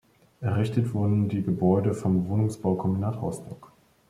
Errichtet wurden die Gebäude vom Wohnungsbaukombinat Rostock.